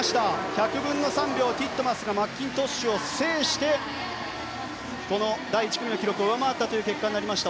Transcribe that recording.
１００分の３秒、ティットマスがマッキントッシュを制してこの第１組の記録を上回った結果になりました。